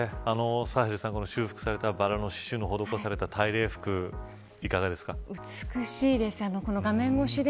サヘルさん、修復されたバラの刺しゅうの施された大礼服美しいです。